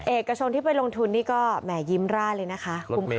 เอกชนที่ไปลงทุนนี่ก็แหมยิ้มร่าเลยนะคะ